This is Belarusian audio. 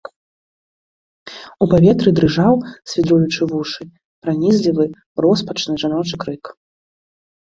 У паветры дрыжаў, свідруючы вушы, пранізлівы, роспачны жаночы крык.